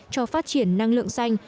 cho phát triển năng lượng xanh